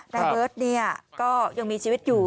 เบิร์ตก็ยังมีชีวิตอยู่